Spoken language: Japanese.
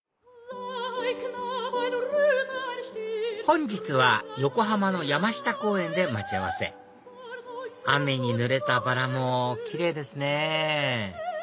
本日は横浜の山下公園で待ち合わせ雨にぬれたバラもキレイですね